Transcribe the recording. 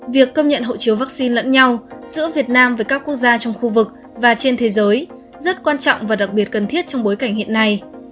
việc công nhận hộ chiếu vaccine lẫn nhau giữa việt nam với các quốc gia trong khu vực và trên thế giới rất quan trọng và đặc biệt cần thiết trong bối cảnh hiện nay